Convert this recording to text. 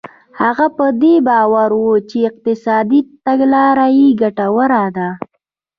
هغه په دې باور و چې اقتصادي تګلاره یې ګټوره ده.